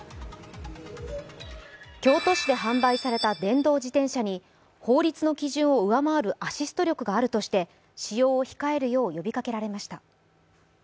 京都市で販売された電動自転車に法律の基準を上回るアシスト力があるとして使用を控えるよう呼びかけられました。